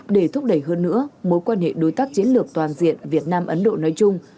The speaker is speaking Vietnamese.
để thúc đẩy hơn nữa mối quan hệ đối tác chiến lược toàn diện việt nam ấn độ nói chung